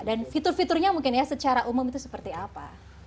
dan fitur fiturnya mungkin ya secara umum itu seperti apa